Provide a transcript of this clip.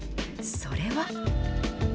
それは。